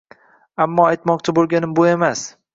Ammo aytmoqchi bo‘lganim bu emas.